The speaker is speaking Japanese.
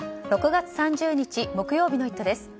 ６月３０日、木曜日の「イット！」です。